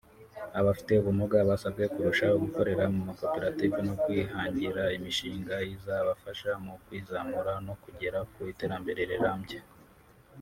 Abafite ubumuga basabwe kurushaho gukorera mu makoperative no kwihangira imishinga izabafasha mu kwizamura no kugera ku iterambere rirambye